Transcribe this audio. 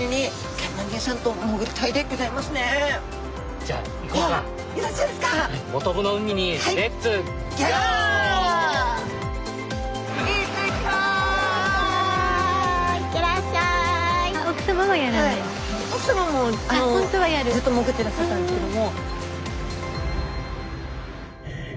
スタジオ奥様もずっと潜ってらっしゃったんですけど。